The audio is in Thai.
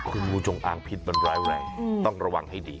คืองูจงอางพิษมันร้ายแรงต้องระวังให้ดี